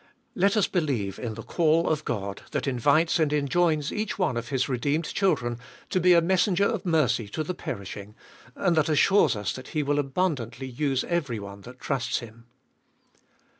Let us believe in the call of God, that invites and enjoins each one of His redeemed 436 tTbe fcolfest of Hit children to be a messenger of mercy to the perishing, and that assures us that He will abundantly use everyone that trusts Him.